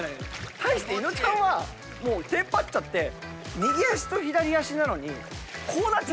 対して伊野尾ちゃんはもうテンパっちゃって右手と左足なのに。